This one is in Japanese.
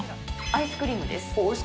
アイスクリーム？